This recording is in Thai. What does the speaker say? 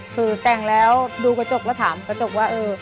คือแต่งแล้วดูกระจกแล้วถามกระจกว่าเออ